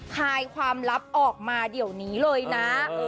คลายความลับออกมาเดี๋ยวนี้เลยนะ